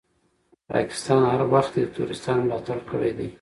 پاکستان هر وخت دي تروريستانو ملاتړ کړی ده.